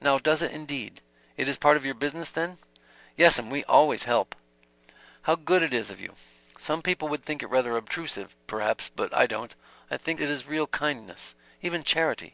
"Now does it, indeed? It is part of your business, then?" "Yes'm, we always help." "How good it is of you. Some people would think it rather obtrusive, perhaps, but I don't I think it is real kindness even charity.